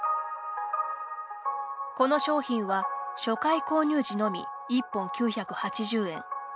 この商品は、初回購入時のみ１本９８０円。